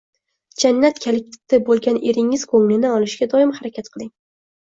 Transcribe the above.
“Jannat kaliti” bo‘lgan eringiz ko‘nglini olishga doim harakat qiling.